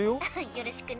よろしくね。